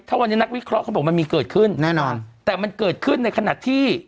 ถ้าวันนี้นักวิเคราะห์เขาบอกมันมีเกิดขึ้นแน่นอนแต่มันเกิดขึ้นในขณะที่